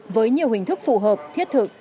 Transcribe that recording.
với nhiều hình thức phù hợp thiết thực